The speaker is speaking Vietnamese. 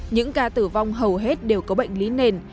những ca tử vong hầu hết đều có bệnh lý nền